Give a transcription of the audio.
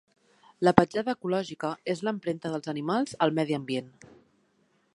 La petjada ecològica és l'empremta dels animals al medi ambient.